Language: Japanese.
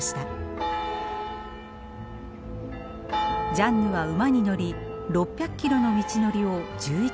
ジャンヌは馬に乗り６００キロの道のりを１１日で駆け抜け